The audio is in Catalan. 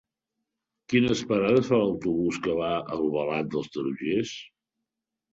Quines parades fa l'autobús que va a Albalat dels Tarongers?